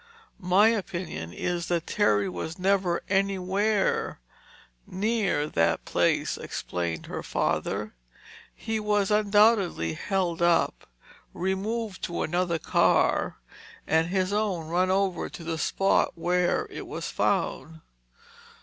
"My opinion is that Terry was never anywhere near the place," explained her father. "He was undoubtedly held up, removed to another car and his own run over to the spot where it was found."